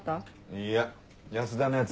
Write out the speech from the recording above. いや安田のヤツ